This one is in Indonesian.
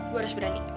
gue harus berani